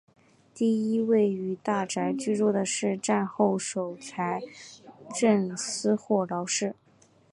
第一位于大宅居住的是战后首任财政司霍劳士。